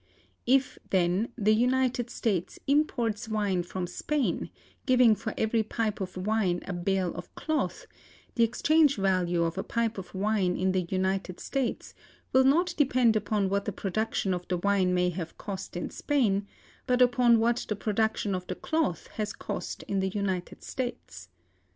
If, then, the United States imports wine from Spain, giving for every pipe of wine a bale of cloth, the exchange value of a pipe of wine in the United States will not depend upon what the production of the wine may have cost in Spain, but upon what the production of the cloth has cost in the United States.